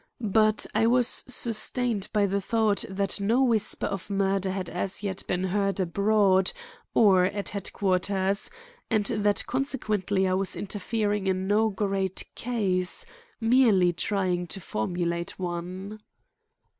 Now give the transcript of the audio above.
But I was sustained by the thought that no whisper of murder had as yet been heard abroad or at headquarters, and that consequently I was interfering in no great case; merely trying to formulate one.